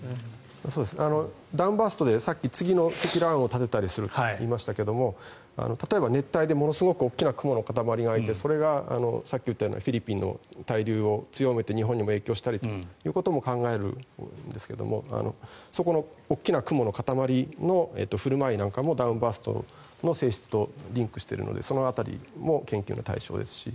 ダウンバーストで先ほど次の積乱雲を立てると言いましたけれども例えば熱帯でものすごく大きな雲の塊があってそれがさっき言ったようなフィリピンの対流を強めて日本にも影響したりということも考えるんですがそこの大きな雲の塊の振る舞いなんかもダウンバーストの性質とリンクしているのでその辺りも研究の対象ですし。